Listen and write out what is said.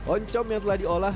oncong yang telah diolah